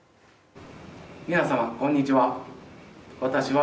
皆さん、こんにちは。